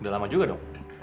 udah lama juga dong